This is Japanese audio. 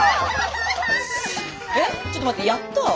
えちょっと待って「やった」？